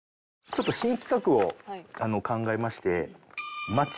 ちょっと新企画を考えまして。